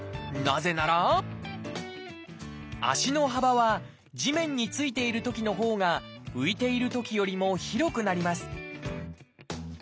なぜなら足の幅は地面に着いているときのほうが浮いているときよりも広くなります